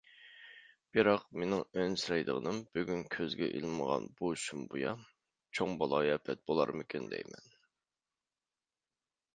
بىراق مېنىڭ ئەنسىرەيدىغىنىم بۈگۈن كۆزگە ئىلمىغان بۇ شۇم بۇيا، چوڭ بالايىئاپەت بولارمىكىن دەيمەن.